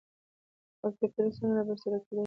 او توپېرونه څنګه رابرسيره کېداي شي؟